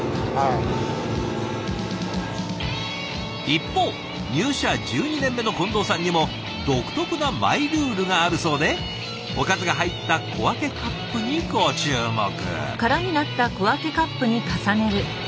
一方入社１２年目の近藤さんにも独特なマイルールがあるそうでおかずが入った小分けカップにご注目。